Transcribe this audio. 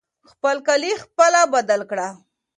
خپل کالي خپله بدل کړئ.